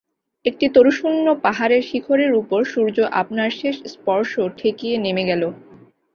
একটি তরুশূন্য পাহাড়ের শিখরের উপর সূর্য আপনার শেষ স্পর্শ ঠেকিয়ে নেমে গেল।